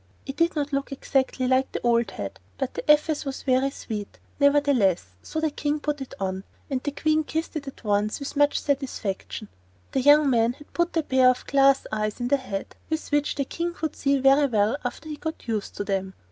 It did not look exactly like the old head, but the efface was very sweet, nevertheless; so the King put it on and the Queen kissed it at once with much satisfaction. The young man had put a pair of glass eyes in the head, with which the King could see very well after he got used to them.